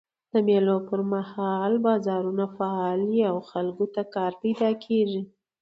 د مېلو پر مهال بازارونه فعاله يي او خلکو ته کار پیدا کېږي.